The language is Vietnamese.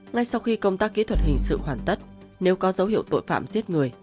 ngay sau khi công tác kỹ thuật hình sự hoàn tất nếu có dấu hiệu tội phạm giết người